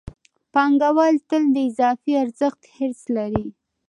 پانګوال تل د اضافي ارزښت حرص لري